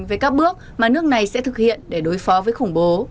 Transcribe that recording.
về các bước mà nước này sẽ thực hiện để đối phó với khủng bố